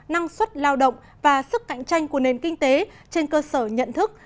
năng suất lao động và sức cạnh tranh của nền kinh tế trên cơ sở nhận thức